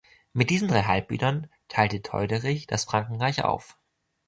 Mit diesen drei Halbbrüdern teilte Theuderich das Frankenreich auf.